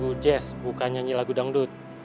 udah nunggu jazz bukan nyanyi lagu dangdut